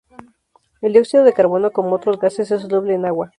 El dióxido de carbono, como otros gases, es soluble en agua.